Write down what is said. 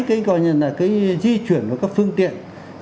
cái gọi là cái di chuyển của các phương tiện